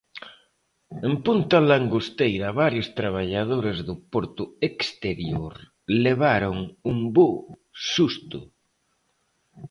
En Punta Langosteira varios traballadores do porto exterior levaron un bo susto.